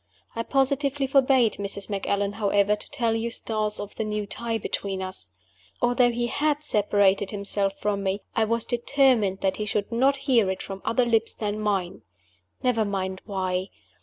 I positively forbade Mrs. Macallan, however, to tell Eustace of the new tie between us. Although he had separated himself from me, I was determined that he should not hear it from other lips than mine. Never mind why.